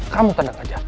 kamu tenang aja